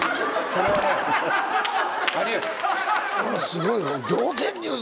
すごいよ。